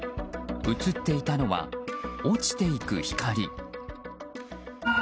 映っていたのは落ちていく光。